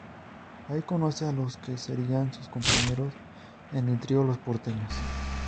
Ahí conoce a los que serían sus compañeros en el trío Los Porteños.